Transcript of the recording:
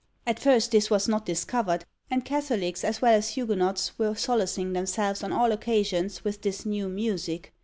At first this was not discovered, and Catholics as well as Huguenots were solacing themselves on all occasions with this new music.